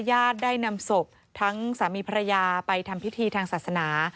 ญาติได้นำศพทั้งสามีภรรยาไปทำพิธีทางศาสนา